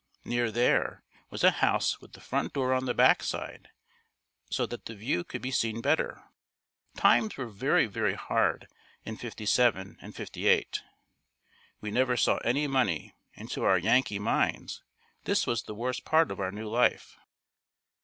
Near there, was a house with the front door on the back side so that the view could be seen better. Times were very, very hard in '57 and '58. We never saw any money and to our Yankee minds this was the worst part of our new life.